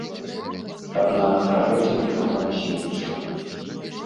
Аднак пра гэта нічога не сведчыла.